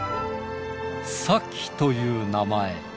咲希という名前。